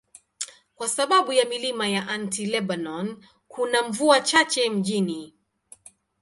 Kwa sababu ya milima ya Anti-Lebanon, kuna mvua chache mjini.